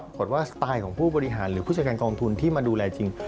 ปรากฏว่าสไตล์ของผู้บริหารหรือผู้จัดการกองทุนที่มาดูแลจริง